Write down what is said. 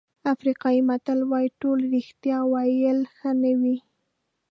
افریقایي متل وایي ټول رښتیا ویل ښه نه دي.